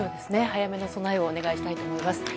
早めの備えをお願いしたいと思います。